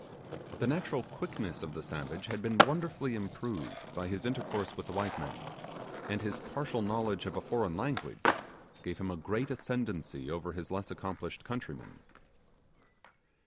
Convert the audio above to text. The natural quickness of the savage had been wonderfully improved by his intercourse with the white men, and his partial knowledge of a foreign language gave him a great ascendancy over his less accomplished countrymen.